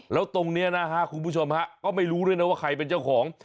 แล้วตรงนี้นะฮะคุณผู้ชมฮะก็ไม่รู้ด้วยนะว่าใครเป็นเจ้าของ